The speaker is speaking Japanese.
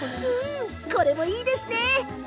これもいいですね！